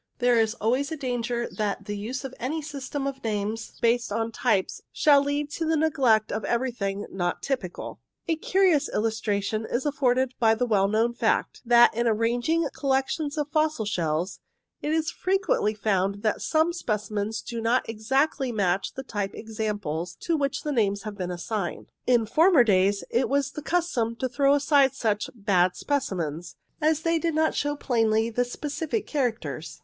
There is always a danger that the use of any system of names based on types shall lead to the neglect of everything not typical. A curious illustration is afforded by the well known fact, that in arranging collections of fossil shells, it is frequently found that some specimens do not exactly match the type examples to which names have been assigned. In former days it was the custom to throw aside such " bad specimens," as they did not show plainly the specific characters.